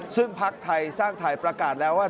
ซึ่งพักไทยสร้างไทยประกาศแล้วว่า